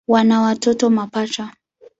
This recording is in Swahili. Wana watoto mapacha.